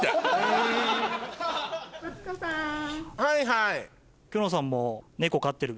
はいはい。